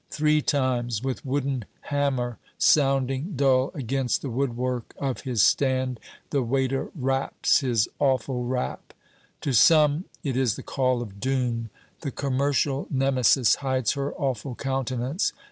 Three times, with wooden hammer sounding dull against the woodwork of his stand, the waiter raps his awful rap. To some it is the call of doom. The commercial Nemesis hides her awful countenance.